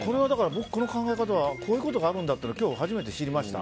この考え方はこういうことがあるんだっていうのは今日、初めて知りました。